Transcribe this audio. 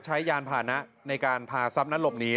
ยานผ่านะในการพาทรัพย์นั้นหลบหนี